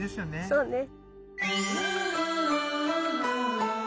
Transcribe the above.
そうね。